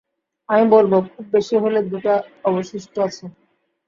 আমি বলবো, খুব বেশি হলে দুটা অবশিষ্ট আছে।